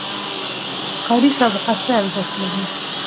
کاري سابقه څه ارزښت لري؟